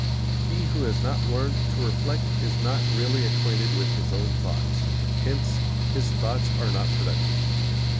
He who has not learned to reflect is not really acquainted with his own thoughts; hence, his thoughts are not productive.